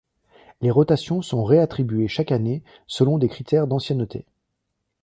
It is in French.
Les rotations sont réattribuées chaque année, selon des critères d'ancienneté.